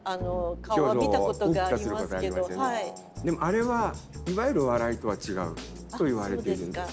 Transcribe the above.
でもあれはいわゆる「笑い」とは違うと言われているんです。